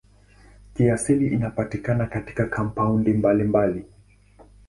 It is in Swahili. Kiasili inapatikana katika kampaundi mbalimbali.